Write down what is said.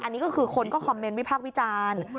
อันนี้ก็คือคนก็คอมเมนต์วิพากษ์วิจารณ์